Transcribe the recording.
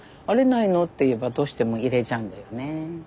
「あれないの？」って言えばどうしても入れちゃうんだよね。